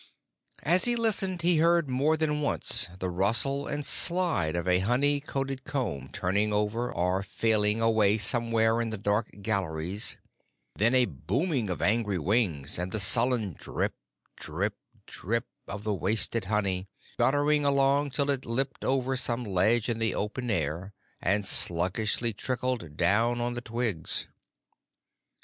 As he listened he heard more than once the rustle and slide of a honey loaded comb turning over or falling away somewhere in the dark galleries; then a booming of angry wings and the sullen drip, drip, drip, of the wasted honey, guttering along till it lipped over some ledge in the open air and sluggishly trickled down on the twigs.